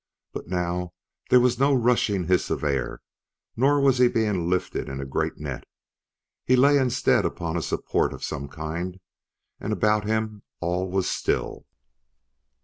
But now there was no rushing hiss of air, nor was he being lifted in a great net. He lay instead upon a support of some kind, and about him all was still.